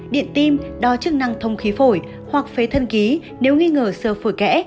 điện tim đo chức năng thông khí phổi hoặc phế thân ký nếu nghi ngờ sơ phổi kẽ